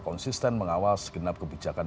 konsisten mengawal segenap kebijakan